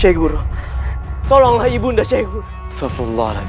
ceguru tolonglah ibu anda ceguru